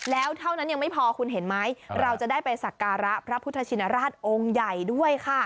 แล้วเท่านั้นยังไม่พอคุณเห็นไหมเราจะได้ไปสักการะพระพุทธชินราชองค์ใหญ่ด้วยค่ะ